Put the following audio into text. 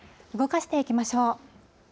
動かしていきましょう。